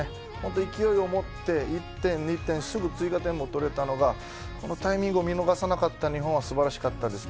勢いを持って１点、２点すぐ追加点も取れたのがこのタイミングを見逃さなかった日本は素晴らしかったです。